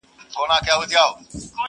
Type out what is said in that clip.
زموږ د تاریخ د اتلانو وطن.!